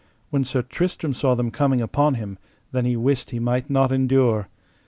When Sir Tristram saw them coming upon him, then he wist well he might not endure.